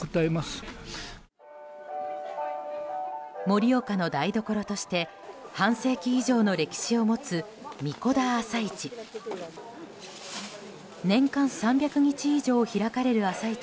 盛岡の台所として半世紀以上の歴史を持つ神子田朝市。